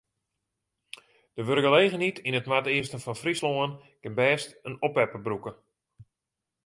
De wurkgelegenheid yn it noardeasten fan Fryslân kin bêst in oppepper brûke.